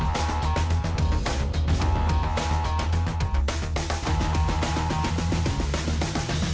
ก็ได้รูปรวมสถิติการค่ะ